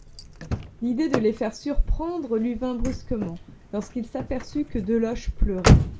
L'idée de les faire surprendre lui vint brusquement, lorsqu'il s'aperçut que Deloche pleurait.